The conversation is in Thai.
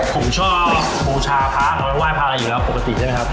ผมชอบผูชาภาคว่าภาคอยู่แล้วปกติใช่ป่ะครับ